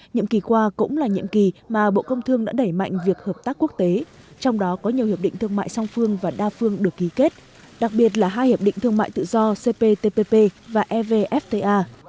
nhiệm kỳ qua cũng là nhiệm kỳ mà bộ công thương đã đẩy mạnh việc hợp tác quốc tế trong đó có nhiều hiệp định thương mại song phương và đa phương được ký kết đặc biệt là hai hiệp định thương mại tự do cptpp và evfta